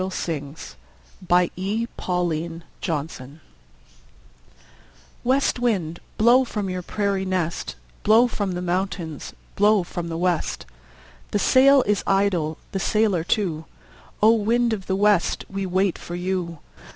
THE SONG MY PADDLE SINGS West wind, blow from your prairie nest, Blow from the mountains, blow from the west. The sail is idle, the sailor too; O! wind of the west, we wait for you.